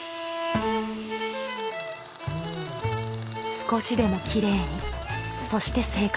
少しでもきれいにそして正確に。